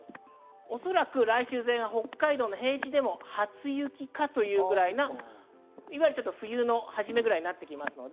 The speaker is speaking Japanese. おそらく来週前半、北海道の平地でも初雪かというぐらいの冬の初めぐらいになってきます。